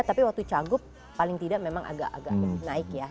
tapi waktu cagup paling tidak memang agak agak naik ya